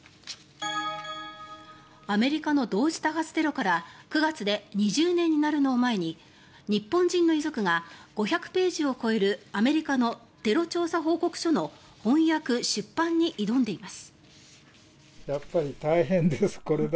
アメリカの同時多発テロから９月で２０年になるのを前に日本人の遺族が５００ページを超えるアメリカのテロ調査報告書の翻訳・出版に挑んでいます。